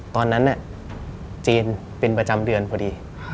ตอนนั้นจีนเป็นประจำเดือนพอดี